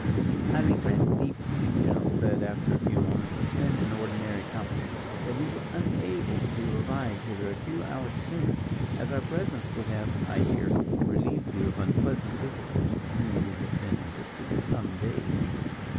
"I regret deeply," the general said, after a few moments spent in ordinary compliments, "that we were unable to arrive hither a few hours sooner, as our presence would have, I hear, relieved you of unpleasant visitors, of whom we have been in pursuit some days."